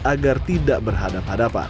agar tidak berhadap hadapan